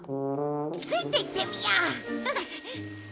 ついて行ってみよう！